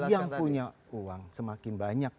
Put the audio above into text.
yang punya uang semakin banyak